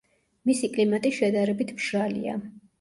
მისი კლიმატი შედარებით მშრალია.